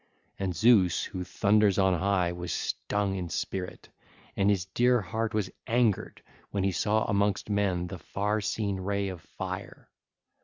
And Zeus who thunders on high was stung in spirit, and his dear heart was angered when he saw amongst men the far seen ray of fire.